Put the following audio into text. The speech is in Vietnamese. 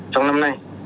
trong năm nay